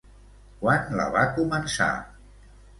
Quan la va començar?